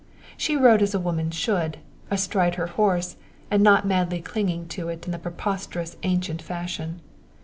She rode as a woman should, astride her horse and not madly clinging to it in the preposterous ancient fashion.